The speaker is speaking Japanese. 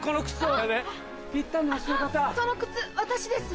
その靴私です。